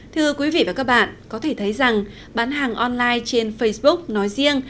thưa quý vị và các bạn có thể thấy rằng bán hàng online trên facebook nói riêng